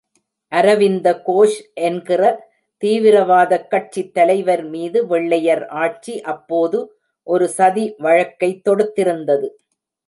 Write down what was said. அரவிந்த கோஷ் என்ற தீவிரவாதக் கட்சித் தலைவர் மீது வெள்யைர் ஆட்சி அப்போது ஒரு சதி வழக்கைத் தொடுத்திருந்தது.